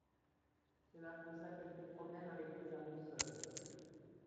Cela posa quelques problèmes avec les annonceurs.